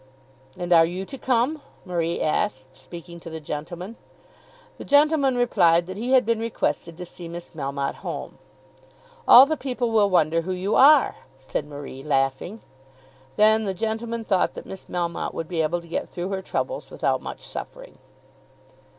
"And are you to come?" Marie asked, speaking to the gentleman. The gentleman replied that he had been requested to see Miss Melmotte home. "All the people will wonder who you are," said Marie laughing. Then the gentleman thought that Miss Melmotte would be able to get through her troubles without much suffering.